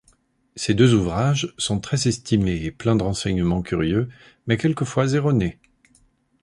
Ces deux ouvrages sont très estimés et pleins de renseignements curieux, mais quelquefois erronés.